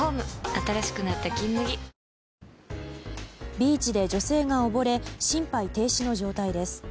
ビーチで女性が溺れ心肺停止の状態です。